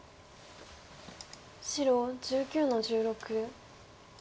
白１９の十六。